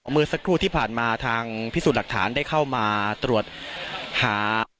เมื่อสักครู่ที่ผ่านมาทางพิสูจน์หลักฐานได้เข้ามาตรวจหา